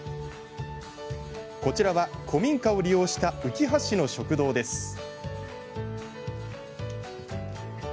こちらは、古民家を利用したうきは市の食堂です。